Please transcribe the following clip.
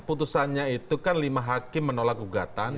putusannya itu kan lima hakim menolak gugatan